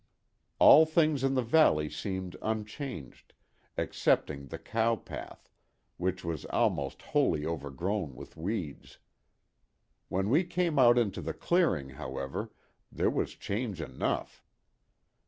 All things in the valley seemed unchanged, excepting the cow path, which was almost wholly overgrown with weeds. When we came out into the "clearing," however, there was change enough.